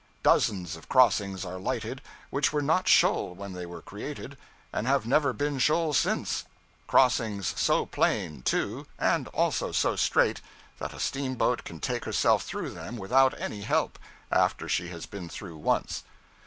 Dozens of crossings are lighted which were not shoal when they were created, and have never been shoal since; crossings so plain, too, and also so straight, that a steamboat can take herself through them without any help, after she has been through once.